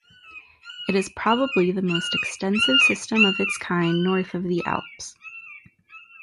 It is probably the most extensive system of its kind north of the Alps.